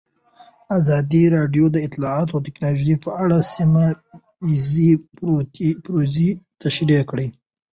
ازادي راډیو د اطلاعاتی تکنالوژي په اړه سیمه ییزې پروژې تشریح کړې.